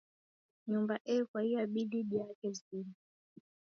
Nyumba eghwa iabidi diaghe zima.